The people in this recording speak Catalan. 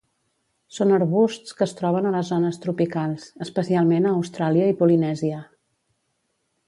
Són arbusts que es troben a les zones tropicals, especialment a Austràlia i Polinèsia.